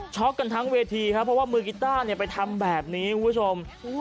กันทั้งเวทีครับเพราะว่ามือกีต้าไปทำแบบนี้คุณผู้ชม